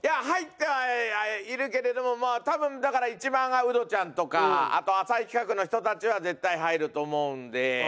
入ってはいるけれどもまあ多分だから一番はウドちゃんとかあと浅井企画の人たちは絶対入ると思うんで。